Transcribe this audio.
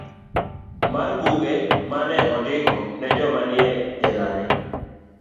d. mar Buge ma ne ondiko ne joma ne ni e jela ne